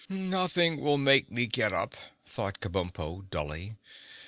"Nothing will make me get up," thought Kabumpo dully.